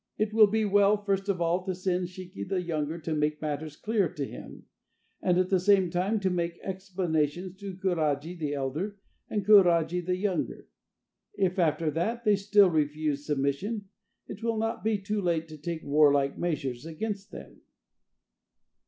It will be well, first of all, to send Shiki the younger to make matters clear to him, and at the same time to make explanations to Kuraji the elder and Kuraji the younger. If after that they still refuse submission, it will not be too late to take warlike measures against them."